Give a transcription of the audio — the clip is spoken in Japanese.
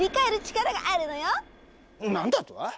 何だと！